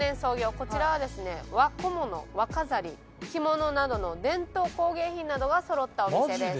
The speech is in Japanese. こちらはですね和小物和飾り着物などの伝統工芸品などがそろったお店です。